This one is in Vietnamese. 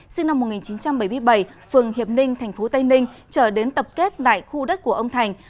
sinh năm một nghìn chín trăm bảy mươi bảy phường hiệp ninh tp tây ninh trở đến tập kết lại khu đất của ông thành